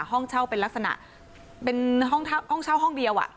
ห้องเช่าเป็นลักษณะเป็นห้องเช่าห้องเดียว